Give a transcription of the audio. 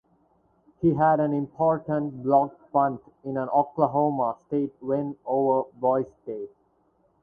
He had an important blocked punt in an Oklahoma State win over Boise State.